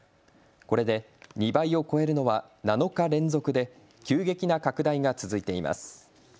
これで２倍を超えるのは７日連続で急激な拡大が続いています。